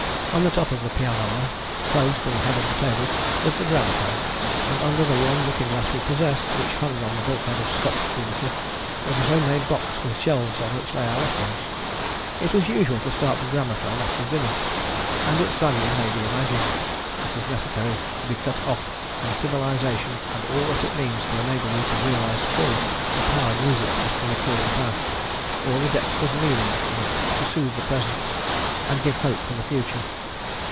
On the top of the pianola, close to the head of the table, lived the gramophone; and under the one looking glass we possessed, which hung on the bulkhead of Scott's cubicle, was a home made box with shelves on which lay our records. It was usual to start the gramophone after dinner, and its value may be imagined. It is necessary to be cut off from civilization and all that it means to enable you to realize fully the power music has to recall the past, or the depths of meaning in it to soothe the present and give hope for the future.